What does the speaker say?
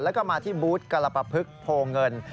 แล้วก็มาที่บูธกรปภึกโพเงิน